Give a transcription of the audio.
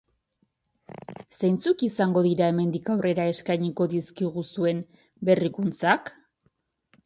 Zeintzuk izango dira hemendik aurrera eskainiko dizkiguzuen berrikuntzak?